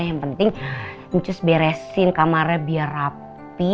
yang penting beresin kamarnya biar rapi